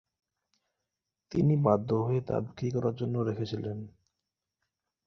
তিনি বাধ্য হয়ে তা বিক্রি করার জন্য রেখেছিলেন।